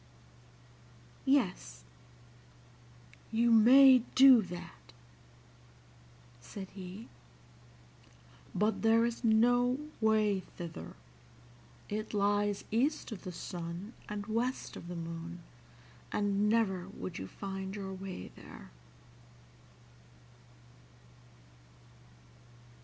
"Yes, you may do that," said he; "but there is no way thither. It lies east of the sun and west of the moon, and never would you find your way there."